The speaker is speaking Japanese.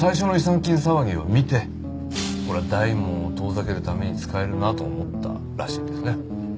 金騒ぎを見てこれは大門を遠ざけるために使えるなと思ったらしいですね。